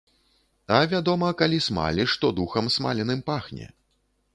А, вядома, калі смаліш, то духам смаленым пахне.